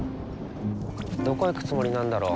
どこ行くつもりなんだろ。